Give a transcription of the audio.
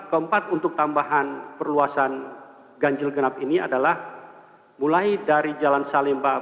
keempat untuk tambahan perluasan ganjil genap ini adalah mulai dari jalan salimba